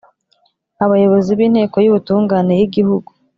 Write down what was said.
Abayobozi b inteko y ubutungane y igihugu